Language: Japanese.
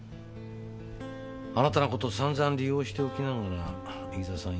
あなたの事を散々利用しておきながら飯沢さん